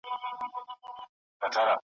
له ژونده